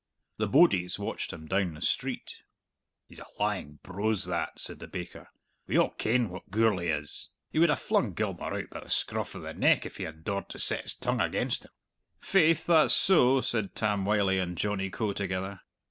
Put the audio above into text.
The bodies watched him down the street. "He's a lying brose, that," said the baker. "We a' ken what Gourlay is. He would have flung Gilmour out by the scruff o' the neck if he had daured to set his tongue against him!" "Faith, that's so," said Tam Wylie and Johnny Coe together.